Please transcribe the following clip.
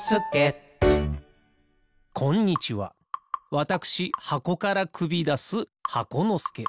わたくしはこからくびだす箱のすけ。